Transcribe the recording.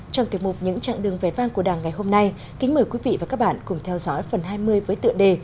trong tiềm mục những trạng đường vẻ vang của đảng ngày hôm nay kính mời quý vị và các bạn cùng theo dõi phần hai mươi với tựa đề